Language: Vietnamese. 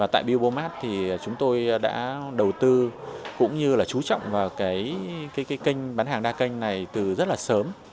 tại biomart thì chúng tôi đã đầu tư cũng như là chú trọng vào cái kênh bán hàng đa kênh này từ rất là sớm